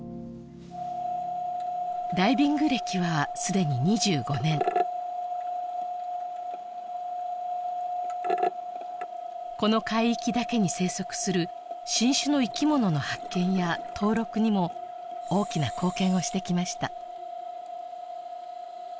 ダイビング歴はすでに２５年この海域だけに生息する新種の生き物の発見や登録にも大きな貢献をしてきました